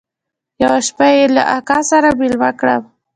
يوه شپه يې له اکا سره ميلمه کړم.